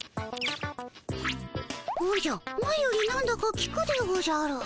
おじゃ前よりなんだかきくでおじゃる。